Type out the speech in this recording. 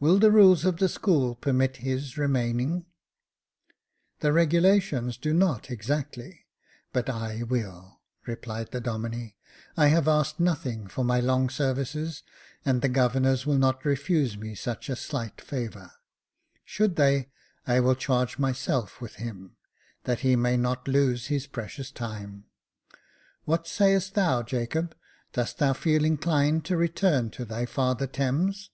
Will the rules of the school permit his remaining ?"" The regulations do not exactly, but I will," replied the Domine. " I have asked nothing for my long services, and the governors will not refuse me such a slight favour ; should they, I will charge myself with him, that he may not lose his precious time. What sayest thou, Jacob, dost thou feel inclined to return to thy father Thames